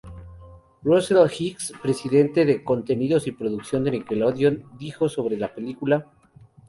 Russell Hicks, Presidente de "Contenidos y Producción de Nickelodeon" dijo sobre la película:.